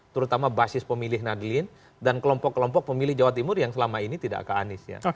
terutama basis pemilih nadlin dan kelompok kelompok pemilih jawa timur yang selama ini tidak ke anies ya